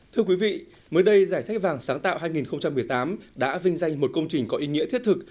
thưa quý vị mới đây giải sách vàng sáng tạo hai nghìn một mươi tám đã vinh danh một công trình có ý nghĩa thiết thực